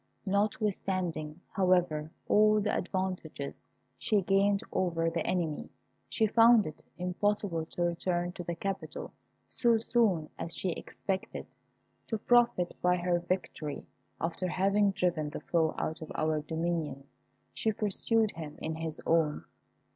Notwithstanding, however, all the advantages she gained over the enemy, she found it impossible to return to the capital so soon as she expected. To profit by her victory, after having driven the foe out of our dominions, she pursued him in his own.